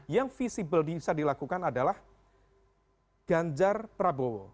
yang visible bisa dilakukan adalah ganjar prabowo